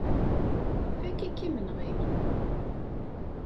Fakk-ik imenɣi.